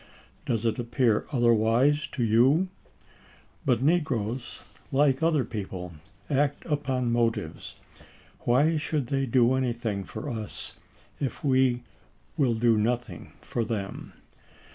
Does it appear otherwise to you 1 But negroes, like other people, act upon motives. Why should they do anything for us if we will do nothing for them